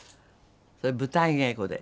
それ舞台稽古で。